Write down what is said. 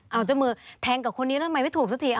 เอาเจ้ามือแทงกับคนนี้ทำไมไม่ถูกสักที